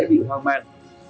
bị hoang mạn